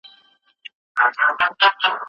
ایا ستا لیپټاپ په ښه حالت کي دی؟